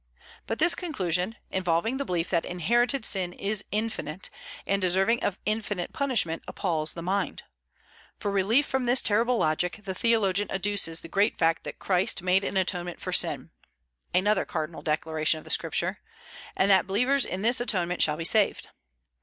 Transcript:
But this conclusion, involving the belief that inherited sin is infinite, and deserving of infinite punishment, appals the mind. For relief from this terrible logic, the theologian adduces the great fact that Christ made an atonement for sin, another cardinal declaration of the Scripture, and that believers in this atonement shall be saved.